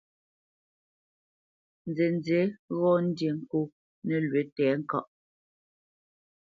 Nzənzí ghɔ́ ndí ŋkô nəlwʉ̌ tɛ̌ŋkaʼ.